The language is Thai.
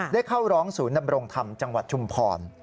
ได้เข้าร้องศูนย์ดำรงธรรมจังหวัดชุมพร